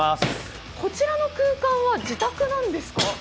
こちらの空間は自宅なんですか？